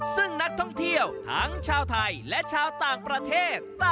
ซึ่งนักท่องเที่ยวทั้งชาวไทยและชาวต่างประเทศ